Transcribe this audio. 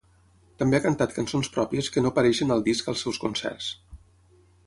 També ha cantat cançons pròpies que no apareixen al disc als seus concerts.